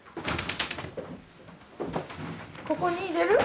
ここに入れる？